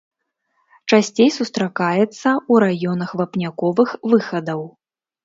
Часцей сустракаецца ў раёнах вапняковых выхадаў.